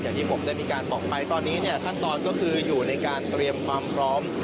อย่างที่ผมได้มีการบอกไปตอนนี้เนี่ยขั้นตอนก็คืออยู่ในการเตรียมความพร้อม